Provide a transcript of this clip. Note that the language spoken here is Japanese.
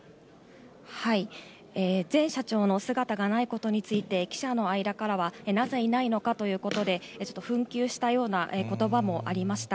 前社長の姿がないことについて、記者の間からは、なぜいないのかということで、ちょっと紛糾したようなことばもありました。